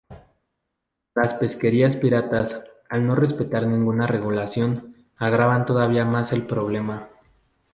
Las pesquerías piratas, al no respetar ninguna regulación, agravan todavía más el problema.